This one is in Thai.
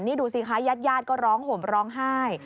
นี่ดูสิคะญาติญาติก็ร้องห่มร้องไห้